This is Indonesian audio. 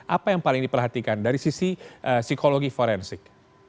apa yang paling diperhatikan dari sisi psikologi forensik